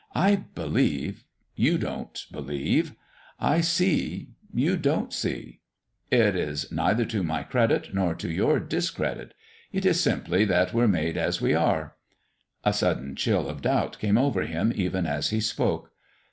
I believe you don't believe; I see you don't see. It is neither to my credit nor to your discredit. It is simply that we're made as we are." A sudden chill of doubt came over him even as he spoke.